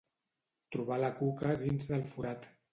Trobar la cuca dins del forat.